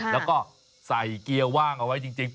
แล้วก็ใส่เกียร์ว่างเอาไว้จริง